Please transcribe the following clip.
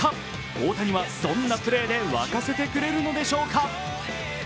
大谷はどんなプレーで沸かせてくれるのでしょうか。